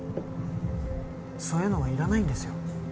そういうのは要らないんですよ